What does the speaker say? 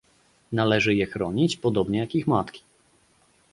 Należy je chronić, podobnie jak ich matki